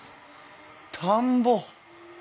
田んぼ！